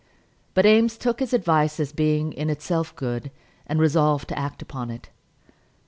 But Eames took his advice as being in itself good, and resolved to act upon it.